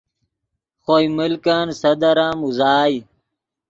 خوئے ملکن صدر ام اوزائے